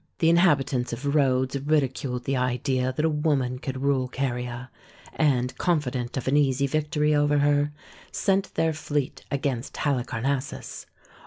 The inhabitants of Rhodes ridiculed the idea that a woman could rule Caria, and con fident of an easy victory over her, sent their fleet against Halicarnassus.